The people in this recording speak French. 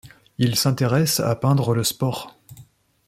Il s'intéresse à peindre le sport.